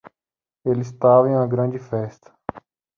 Ele estava em uma grande festa.